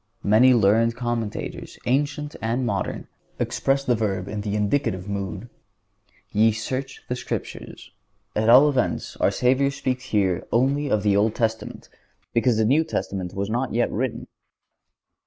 Many learned commentators, ancient and modern, express the verb in the indicative mood: "Ye search the Scriptures." At all events, our Savior speaks here only of the Old Testament because the New Testament was not yet written.